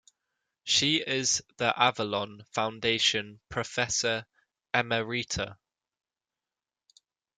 She is the Avalon Foundation Professor Emerita.